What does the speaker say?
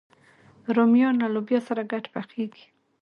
رومیان له لوبیا سره ګډ پخېږي